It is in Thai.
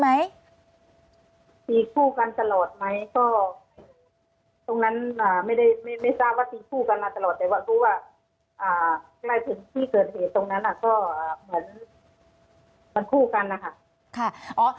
มันคู่กันนะคะ